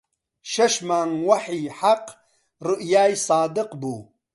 شەش مانگ وەحی حەق ڕوئیای سادق بوو